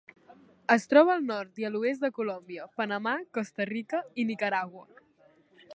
Es troba al nord i a l'oest de Colòmbia, Panamà, Costa Rica i a Nicaragua.